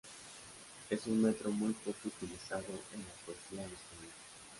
Es un metro muy poco utilizado en la poesía en español.